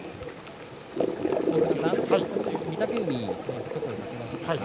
御嶽海に一声かけました。